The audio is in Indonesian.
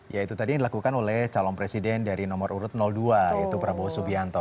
ya itu tadi yang dilakukan oleh calon presiden dari nomor urut dua yaitu prabowo subianto